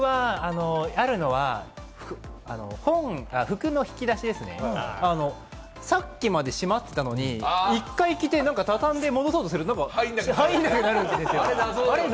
僕は服の引き出し、さっきまでしまってたのに１回着て、畳んで戻そうとすると入んなくなるんですよね。